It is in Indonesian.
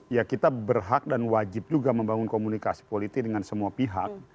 ya kita berhak dan wajib juga membangun komunikasi politik dengan semua pihak